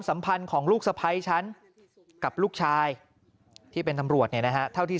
สัมพันธ์ของลูกสะพ้ายฉันกับลูกชายที่เป็นตำรวจเนี่ยนะฮะเท่าที่